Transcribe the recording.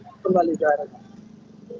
kembali ke area